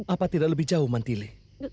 apa tidak lebih jauh mantile